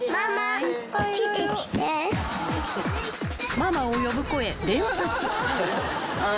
［ママを呼ぶ声連発］